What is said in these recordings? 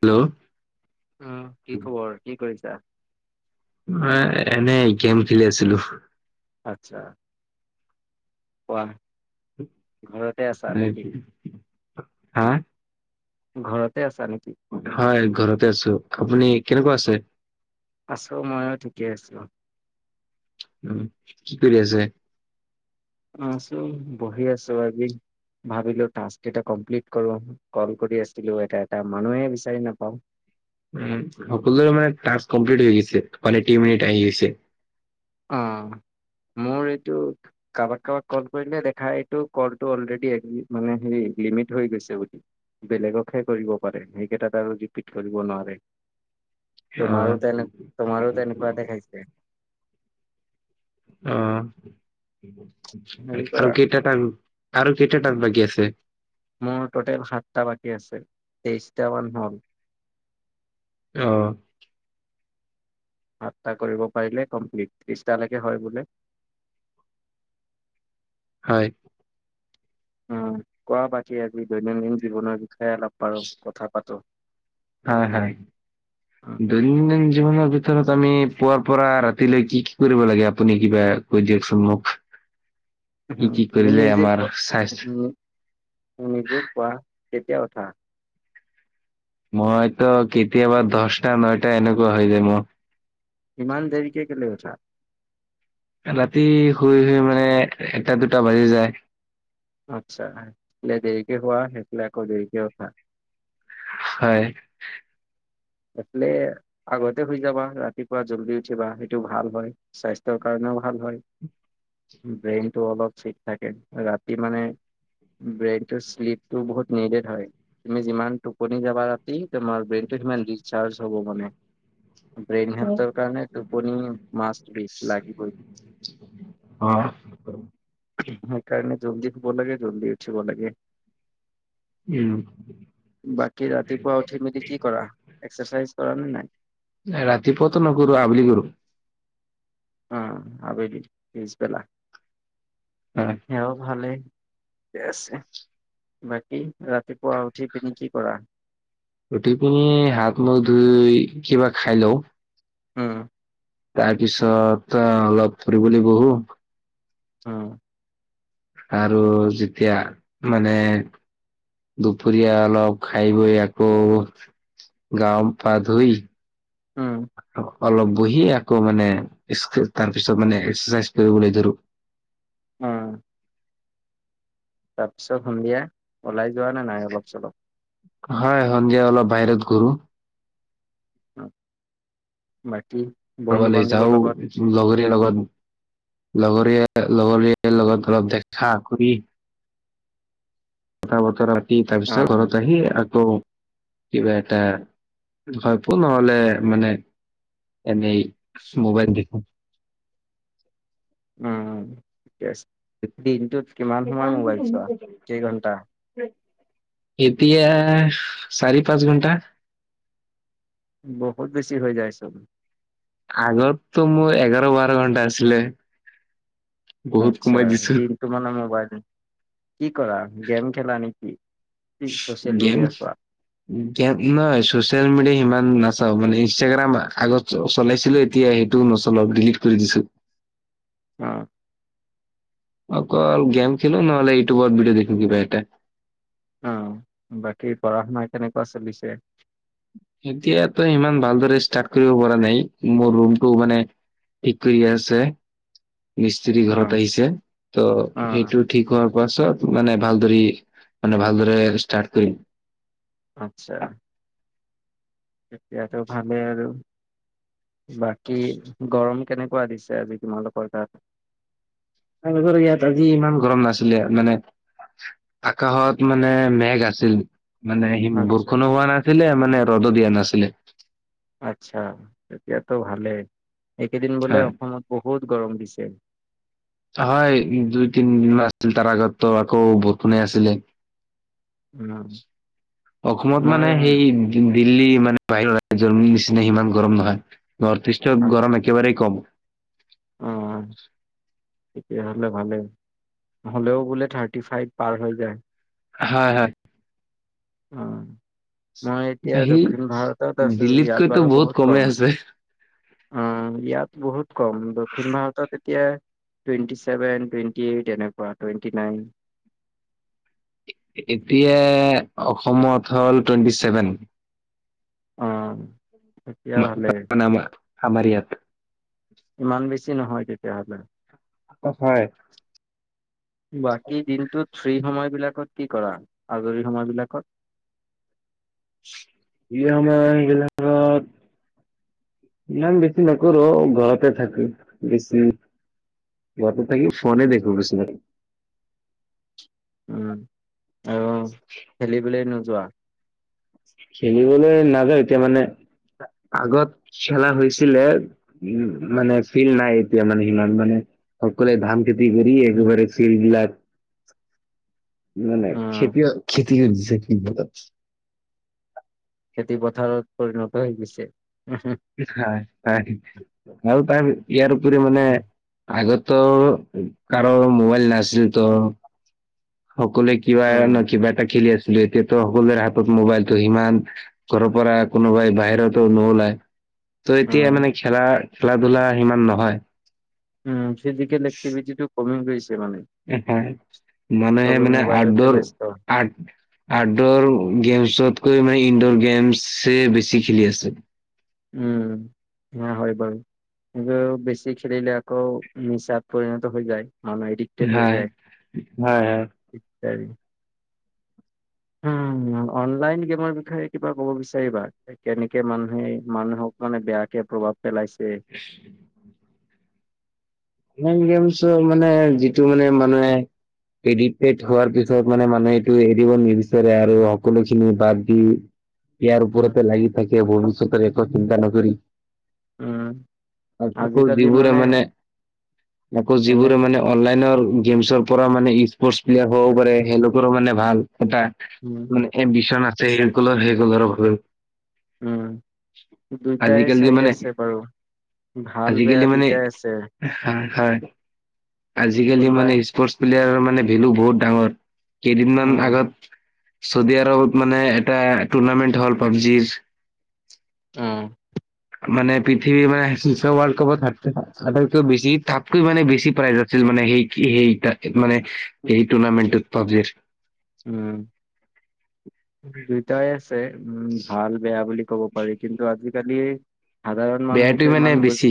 Hello! উম কি খবৰ? কি কৰিছা? অ এনেই গেম খেলি আছিলো। আচ্ছা। কোৱা ঘৰতে আছা নেকি? হা ঘৰতে আছা নেকি? হয় ঘৰতে আছো। আপুনি কেনেকুৱা আছে? আছো ময়ো ঠিকে আছোঁ। উ কি কৰি আছে? আছো বহি আছো আজি ভাবিলো টাস কেইটা কমপ্লিট কৰো। কল কৰি আছিলো এটা এটা মানুহে বিচাৰি নাপাওঁ। উ সকলোৰে মানে টাচ কমপ্লিট হৈ গৈছে, মানে [unintelligible] মিনিট আহি গৈছে। অ মোৰ এইটো কাৰোবাক কাৰোবাক কল কৰিলে দেখা এইটো কলটো অলৰেড মানে হে লিমিট হৈ গৈছে বুলি। বেলেগকহে কৰিব পাৰে, সেইকেইটাত আৰু ৰিপিত কৰিব নোৱাৰে। অ। তোমাৰো তেনে তোমাৰো তেনেকুৱা দে খাইছে অ। হেৰি কৰা আৰু কেইটা টাইম আৰু কেইটা টাইম বাকী আছে? মোৰ টটেল সাতটা বাকী আছে, তেইশটা মান হ'ল। অ। সাতটা কৰিব পাৰিলে কমপ্লিট ত্ৰিশটালৈকে হয় বোলে। হয়। উ কোৱা বাকী আজি দৈনন্দিন জীৱনৰ বিষয়ে অলপ বাৰু কথা পাতো। হয় হয় উম, দুই দৈনন্দিন জীৱনৰ ভিতৰত আমি পুৱাৰ পৰা ৰাতিলৈ কি কি কৰিব লাগে আপুনি কিবা কৈ দিয়কচোন মোক। উম, কি কি তুমি কৰিলে নিজে আমাৰ ক স্বাস্থ উম নিজে পোৱা তেতিয়া উথা। মইতো কেতিয়াবা দচটা নটা এনেকুৱা হৈ যায় মোৰ। ইমান দেৰিকে কেলে উঠা? ৰাতি শুই শুই মানে এটা দুটা বাজি যায়। আচ্ছা দেৰিকে হোৱা সেইফালে আকৌ দেৰিকে উঠা। হয়। ঠিকেই। আগতে শুই যাবা ৰাতিপুৱা জলদি উঠিবা সেইটো ভাল হয়, স্বাস্থ্যৰ কাৰণেও ভাল হয়। ব্ৰেইনতটো অলপ ঠিক থাকে, ৰাতি মানে ব্ৰেকটো শ্লিপটো বহুত নিডেড হয়। তুমি যিমান টোপনি যাবা ৰাতি তোমাৰ ব্ৰেইনটো সিমান ৰিচাৰ্জ হব মানে। ব্ৰেইন হেল্থৰ কাৰণে টোপনি মাছবি লাগিবই। অহ। সেইকাৰণে জল্দি শুব লাগে, জল্দি উঠিব লাগে। উম। বাকী ৰাতিপুৱা উঠি মেলি কি কৰা, এক্সাৰচাইজ কৰা নে নাই? ৰাতি পুৱাতো নকৰো, আবেলি কৰো। অ আবেলি পিছবেলা। হয়। সেয়া ভালেই ঠিক আছে। বাকী ৰাতিপুৱা উঠি পিনি কি কৰা? ৰুটি পিনি হাত মখ ধুই কিবা খাই লও। উম। তাৰ পিছত অ, অলপ ফূৰিবলে যাওঁ। অ। আৰু যেতিয়া মানে দুপৰীয়া অলপ খাই বৈ আকৌ গা পা ধুই উম। অলপ বহি আকৌ মানে তাৰ পিছত মানে এক্সাৰচাইজ কৰিবলৈ ধৰো। উম। তাৰপিছত সন্ধিয়া ওলাই যোৱা নে নাই অলপ-চলপ?। হয়, সন্ধিয়া অলপ বাহিৰত ঘূৰো। বাকী বন্ধু কবালে বান্ধৱীৰ যাও লগত লগৰীয়া লগত, লগৰীয়া-লগৰীয়া লগত ধৰক দেখা কৰি কথা বতৰা ৰাতি তাৰ উম, পিছত ঘৰত আহি আকৌ কিবা এটা ভপো নহলে মানে এনেই, মোবাইল টিপু। ম ঠিকে আছে, দিনটোত কিমান সময় মোবাইল চোৱা কেইঘণ্টা? এতিয়া চাৰি পাঁচ ঘণ্টা। বহুত বেছি হৈ যায় চোন। আগততো মোৰ এঘাৰ বাৰ ঘণ্টা আছিলে। বহুত আচ্ছা, কমাই দিছো দিনটো মানে মোবাইল। কি কৰা গেম খেলা নে? গেম গেম ইমাণ চচিয়েল মিডিয়া সিমান নাচাও, মানে ইনষ্টাগ্ৰাম আগত চলাইছিলো এতিয়া সে তো নচলাও ডিলিট কৰি দিছো। অ। অকল গেম খেলো, নহলে ইউটিউবট ভিডিঅ দেখো কিবা এটা। অ বাকী পঢ়া শুনা কেনেকুৱা চলিছে। এতিয়াতো ইমান ভালদৰে ষ্টাৰ্ট কৰিব পৰা নাই মোৰ ৰুমটো মানে ঠিক কৰি আছে মিস্ত্ৰী অ', ঘৰত আহিছে ত' অ', সেইটোত ঠিক হোৱাৰ পাছত মানে ভাল দৰে মানে ভাল দৰে ষ্টাৰ্ট কৰিম। আচ্ছা। তেতিয়াতো ভালে আৰু বাকী গৰম কেনেকুৱা দিছে আজি তোমালোকৰ তাত। ৰ ইয়াত আজি ইমান গৰম নাছিলে মানে, আকাশত মানে মেঘ আছিল। মানে সি আচ্ছা, বৰষুনো হোৱা নাছিলে মানে ৰ'দ দিয়া নাছিলে। আচ্ছা তেতিয়াতো ভালেই এইকেইদিন বোলে হয়। অসমত বহুত গৰম দিছে। হয় দুই তিনদিন আছিল তাৰ আগতো আকৌ বৰষুনো আছিলে। উম অসমত মানে সেই, দিল্লী মানে বাহিৰৰ ৰাজ্যৰ নিচিনা সিমান গৰম নহয় নৰ্থ ইষ্টত মই গৰম একেবাৰেই কম। অ', [inaudible] তেতিয়াহ'লে ভালেই হ'লেও বোলে থাৰ্টি ফাইভ পাৰ হৈ যায়। হয় হয়। অ মই এতিয়া সি দক্ষিণ ভাৰতত আছো ইয়াত দিল্লীতকৈতো বাৰু বহুত কমেই কম। আছে অ ইয়াত বহুত কম দক্ষিণ ভাৰতত এতিয়া টুৱেণ্টি ছেভেন, টুৱেন্টি এইট এনেকুৱা টুৱেন্টি নাইন। এতিয়া অসমত হ'ল টুৱেন্টি ছেভেন। অ তেতিয়া হ'লে [unintelligible] আমাৰ ইয়াত। ইমান বেছি নহয় তেতিয়াহলে। অ হয়। বাকী দিনটোত ফ্ৰী সময় বিলাকত কি কৰা আজৰি সময় বিলাকত। [unintelligible] ইম বেছি নকৰো ঘৰতে থাকো বেছি। ঘৰতে থাকি ফনে [unintelligible] উম [unintelligible] খেলিবলে নোযোৱা। খেলিবলৈ নাযায়ওঁ এতিয়া মানে আগত খেলা হৈছিলে। উ মানে ফিল নাই এতিয়া মানে সিমান মানে সকলোৱে ধাম, খেতি কৰি উম, একেবাৰে চিৰি বিলাক। নাই নাই অ', ক্ষতিয় ক্ষতি কৰি [unintelligible] খেতি পথাৰত পৰিণত হৈ গৈছে। আৰু তাৰ ইয়াৰ উপৰি মানে। আগতো কাৰো মোবাইল নাছিল তো, সকলোৱে কিবা অ'। ন কিবা এটা খেলি আছিলো এতিয়াতো সকলোৰে হাতত মোবাইলটো সিমান, ঘৰৰ পৰা কোনোবাই বাহিৰতো নোলায়। ত' এতিয়া উম, মানে খেলাৰ খেলা-ধূলা সিমান নহয় উ ফিজিকেল একিভিটিটো কমি গৈছে মানে। এহ হায় মানুনে চবে মানে মোবাইলতে আউটডৰ ব্যস্ত। আৰ্ট আউটড'ৰ গেমছতকৈ মানে ইনড'ৰ গেমছে বেছি খেলি আছে। উম সেয়া হয় বাৰু। এইবোৰ বেছি খেলিলে আকৌ মোছাত পৰিণত হৈ যায় [unintelligible] হয় যায়। হয় হয় [unintelligible] হুম অনলাইন গেমৰ বিষয়ে কিবা ক'ব বিচাৰিবা কেনেকে মানুহে মানুহক মানে বেয়াকে প্ৰভাৱ পেলাইছে উ অনলাইন গেমছ মানে যিটো মানে মানুহে এডিকটেড হোৱাৰ পিছত মানে মানুহে এইটো এৰিব নিবিচাৰে আৰু সকলো খিনি বাদ দি ইয়াৰ উম, ওপৰতে লাগি থাকে ভৱিষ্যতৰ একো চিন্তা নকৰি উম, আশা কৰো যিবোৰে মানে আকৌ এনে যিবোৰে মানে অনলাইনৰ গেমছৰ পৰা মানে স্পৰ্টচ প্লেয়াৰ হ'বও পাৰে সেইলোকৰ মানে ভাল এটা। ওম। এ বিচনাতে এইৰ [unintelligible] সেই [unintelligible] বাবেও উম দুইটাই আজিকালি চাইড মানে আছে বাৰু। ভাল আজিকালি বেয়া মানে দুইটাই আছে। হয় হয় আজিকালি কোনোবাই মানে স্পৰ্ট প্লেয়াৰৰ মানে ভেলু বহুত ডাঙৰ কেইদিনমান উম, আগত চৌদি আৰবত মানে এটা তুৰ্নামেণ্ট হ'ল পাবজিৰ। উম মানে পৃথিৱীৰ মানে বিশ্ব ৱৰ্ল্ড কাপত আটাইতকৈ বেছি তাতকৈ মানে বেছি প্ৰাইজ আছিল মানে সেই- কি সেই তাত মানে এই তুৰ্নামেণ্টটোত পাবজিৰ উম। দুয়টাই আছে উম ভাল, বেয়া বুলি ক'ব পাৰি কিন্তু আজি-কালি সাধাৰণ মানুহেতো বেয়াটোৱে মানে ইমান বুজ- বেছি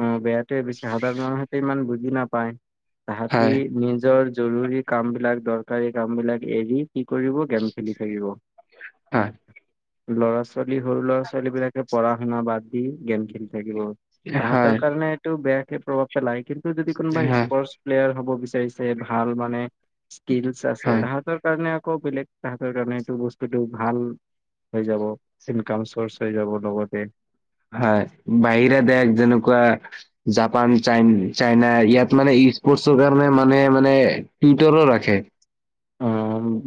অ বেয়াটোৱে বেছি সাধাৰণ মানুহতে ইমান বুজি নাপায় তাহাঁতি হয় নিজৰ জৰুৰী কামবিলাক দৰকাৰী কামবিলাক এৰি কি কৰিব গেম খেলি থাকিব। হয় ল'ৰা-ছোৱালী সৰু ল'ৰা-ছোৱালী বিলাকে পঢ়া শুনা বাদ দি গেম খেলি থাকিব। হয় তাহাঁতৰ কাৰণে এইটো বেয়াকে প্ৰভাৱ পেলায় কিন্তু যদি কোনোবা হয় স্পৰ্ট- প্লেয়াৰ হ'ব বিচাৰিছে ভাল মানে স্কিলচ আছে হয়। তাহাঁতৰ কাৰণে আকৌ বেলেগ তাহাঁতৰ কাৰণে এইটো বস্তুটো ভাল হৈ যাব ইনকাম চৰ্চ হৈ যাব লগতে। হয় বাহিৰা দেশ যেনেকুৱা জাপান, চাইন চাইনা ইয়াত মানে স্পৰ্টচৰ কাৰণে মানে মানে টিউটাৰো ৰাখে। উ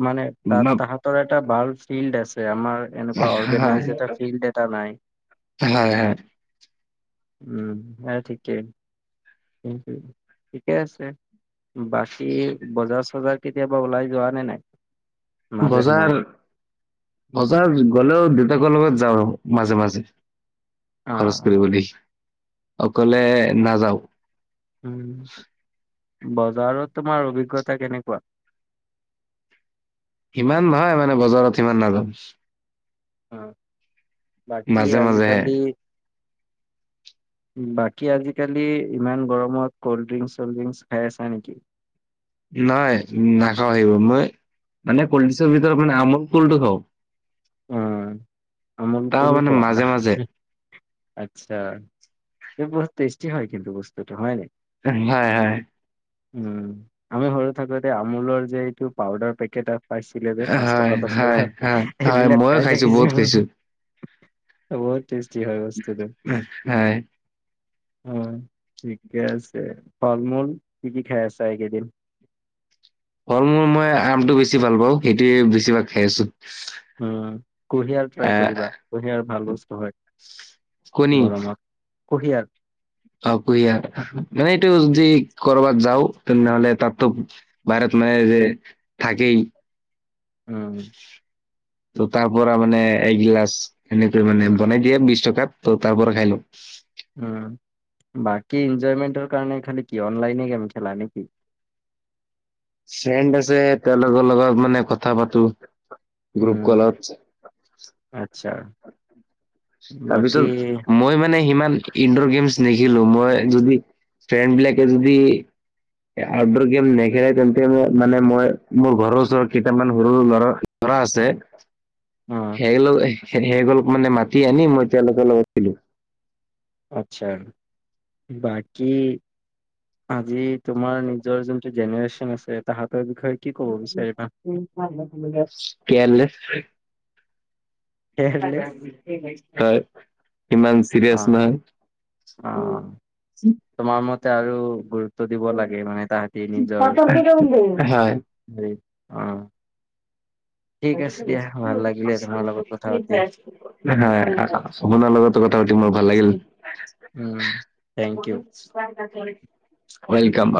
মানে তাত বা- তাহাঁতৰ এটা বাল ফিল্ড আছে আমাৰ এনেকুৱা হয়, অৰ্গেনাইজ এটা ফিল্ড এটা নাই। হয়, হয়। উম বাৰু ঠিকেই। কিন্তু ঠিকে আছে। বাকী বজাৰ চজাৰ কেতিয়াবা ওলাই যোৱা নে নাই? মাজে সময়ে বজাৰ বজাৰ গলেও দেউতাকৰ লগত যাওঁ মাজে মাজে। অ খৰচ কৰিব দেই অকলে নাযাওঁ। উম, বজাৰত তোমাৰ অভিজ্ঞতা কেনেকুৱা? ইমান নহয় মানে বজাৰত সিমান নাজাও। অ', বাকি মাজে মাজেহে। আজিকালি [inaudible] বাকী আজিকালি ইমান গৰমত কল্ড ড্ৰিংক চল্ড ড্ৰিংকচ খাই আছা নেকি? নাই নাখাওঁ এইবোৰ মই মানে কল্ড ড্ৰিংকৰ ভিতৰত মানে আমোল কুলটো খাওঁ অ', আমোল তাৰ কুল মানে খোৱা? মাজে মাজে, আচ্ছা বহুত টেষ্টি হয় কিন্তু বস্তুটো হয় নে? হয় হয়। উম, আমি সৰু থাকোতে আমুলৰ যে এইটো পাউদাৰ পেকেট পাইছিলে যে পাঁচ টকা দশ হয়, টকা হয়, হয় এইবিলাক ময়ো খাই খাইছোঁ বহুত থাকিছিল খাইছোঁ। বহুত টেষ্টি হয় বস্তুটো। হয়, অ', ঠিকে আছে ফল মূল কি কি খাই আছা এইকেইদিন? ফল মূল মই আমটো বেছি ভাল পাওঁ সেইটোৱে বেছিভাগ খাই আছোঁ। উম, কুঁহিয়াৰ ট্ৰাই আহ, কৰিবা, কুঁহিয়াৰ ভাল বস্তু হয় কণী গৰমত। কুঁহিয়াৰ অ', কুঁহিয়াৰ মানে এইটো যদি ক'ৰবাত য়াও তেনেহলে তাততো বাহিৰত মানে এই যে থাকে উম, ত' তাৰ পৰা মানে এগিলাচ এনেকৈ মানে উম বনাই দি এ বিশ টকাত ত' তাৰ পৰা খাই লৌ উম, বাকী এনজয়মেন্টৰ কাৰণে খালি কি অনলাইনে গেম খেলা নেকি? ফ্ৰেণ্ড আছে তেওঁলোকৰ লগত মানে কথা পাতো গ্ৰুপ উম, কলত। আচ্ছা বাকী তাৰপিছত মই মানে সিমান ইনডৰ গেমছ নখেলো মই যদি ফ্ৰেণ্ড বিলাকে যদি আউটডৰ গেম নেখেলে তেন্তে মানে মই মোৰ ঘৰৰ ওচৰত কেইটামান সৰু সৰু লৰা ধৰা আছে অ সেই - সেই গল মানে মাতি আনি মই তেওঁলোকৰ লগত খেলো আচ্ছা বাকি আজি তোমাৰ নিজৰ যোনটো জেনেৰেচন আছে তাহাঁতৰ বিষয়ে কি ক'ব বিচাৰিবা কেয়াৰলেছ হয় কেয়াৰলেছ কিমান অ', অ', তোমাৰ মতে আৰু গুৰু দিব লাগে মানে তাহঁতি নিজৰ হয় হয় হে অ [unintelligible] ঠিক হয়, আছে দিয়া ভাল লাগিলে তোমাৰ লগত কথা পাতি আপোনাৰ লগতো কথা পাতি মোৰ ভাল লাগিল। উম, থেংক ইউ। ৱেলকাম